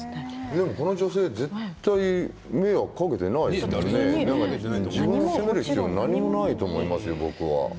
でも、この女性は絶対迷惑をかけていないから自分を責める必要はないと思いますよ、僕は。